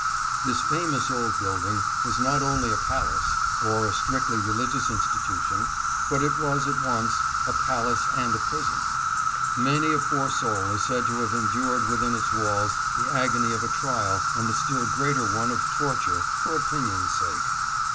This famous old building was not only a palace, or a strictly religious institution, but it was at once a palace and a prison. Many a poor soul is said to have endured within its walls the agony of a trial and the still greater one of torture for opin ion's sake.